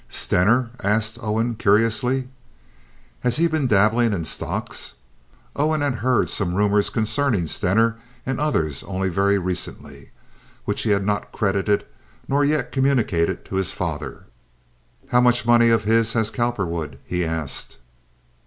"Stener?" asked Owen, curiously. "Has he been dabbling in stocks?" Owen had heard some rumors concerning Stener and others only very recently, which he had not credited nor yet communicated to his father. "How much money of his has Cowperwood?" he asked.